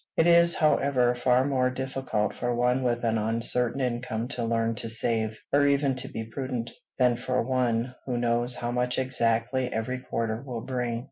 It is, however, far more difficult for one with an uncertain income to learn to save, or even to be prudent, than for one who knows how much exactly every quarter will bring.